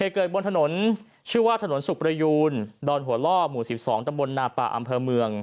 เกิดบนถนนชื่อว่าถนนสุขประยูนดอนหัวล่อหมู่๑๒ตำบลนาป่าอำเภอเมือง